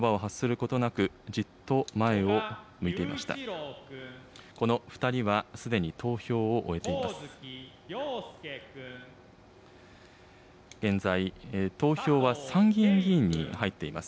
この２人はすでに投票を終えています。